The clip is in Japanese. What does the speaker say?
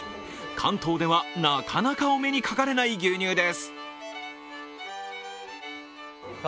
関東ではなかなかお目にかかれない牛乳です。